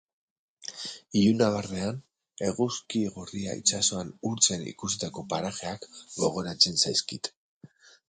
Ilunabarrean, eguzki gorria itsasoan urtzen ikusitako parajeak gogoratzen zaizkit.